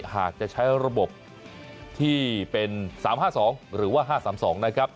หากจะใช้ระบบที่เป็น๓๕๒หรือว่า๕๓๒นะครับ